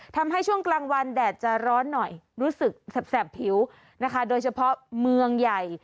ช่วงกลางวันแดดจะร้อนหน่อยรู้สึกแสบผิวนะคะโดยเฉพาะเมืองใหญ่